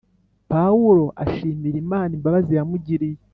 Pawulo ashimira Imana imbabazi yamugiriye